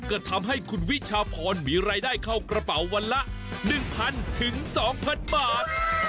ก็ทำให้คุณวิชาพรมีรายได้เข้ากระเป๋าวันละ๑๐๐๒๐๐บาท